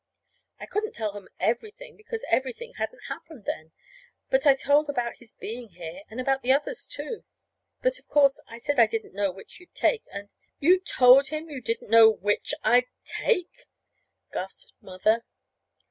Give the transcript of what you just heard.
"I couldn't tell him everything because everything hadn't happened then. But I told about his being here, and about the others, too; but, of course, I said I didn't know which you'd take, and " "You told him you didn't know which I'd take!" gasped Mother.